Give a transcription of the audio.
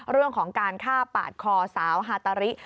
เรื่องของการฆ่าปาดคอสาวฮาตาริ